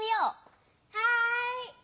はい！